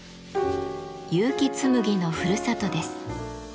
結城紬のふるさとです。